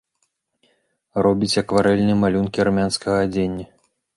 Робіць акварэльныя малюнкі армянскага адзення.